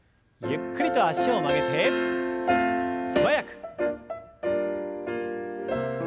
ゆっくりと脚を曲げて素早く。